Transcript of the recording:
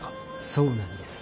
そうなんです。